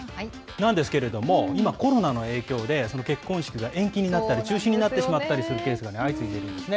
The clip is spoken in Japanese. なんですけれども、今、コロナの影響で、結婚式が延期になったり、中止になってしまったりするケースが相次いでいるんですね。